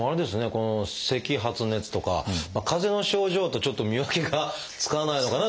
この「せき」「発熱」とかかぜの症状とちょっと見分けがつかないのかな？